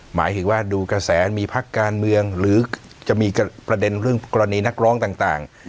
หมายถึงว่าดูกระแสมีพักการเมืองหรือจะมีประเด็นเรื่องกรณีนักร้องต่าง